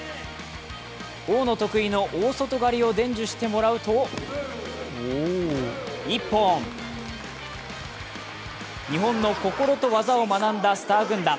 大野得意の大外刈りを伝授してもらうと、一本！日本の心と技を学んだスター軍団。